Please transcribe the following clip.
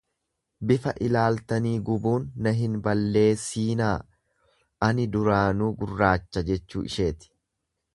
Bifa ilaaltanii gubuun na hin balleessiinaa, ani duraanuu gurraacha jechuu isheeti.